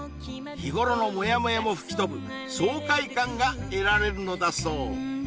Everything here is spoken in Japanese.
日頃のモヤモヤも吹き飛ぶ爽快感が得られるのだそう